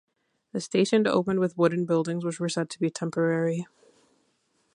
The station opened with wooden buildings which were said to be temporary.